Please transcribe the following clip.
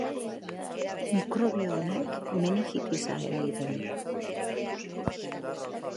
Mikrobio honek meningitisa eragiten du.